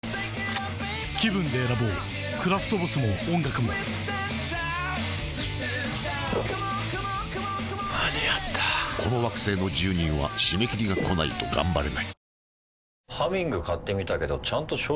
気分で選ぼうクラフトボスも音楽もゴクッ間に合ったこの惑星の住人は締め切りがこないとがんばれない